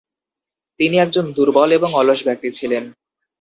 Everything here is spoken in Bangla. তিনি একজন দুর্বল এবং অলস ব্যক্তি ছিলেন।